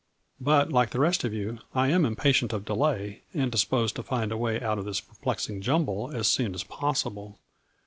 But, like the rest of you, I am impa tient of delay and disposed to find a way out of this perplexing jumble as soon as possible.